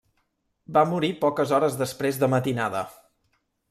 Va morir poques hores després de matinada.